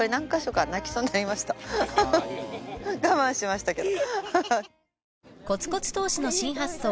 我慢しましたけど。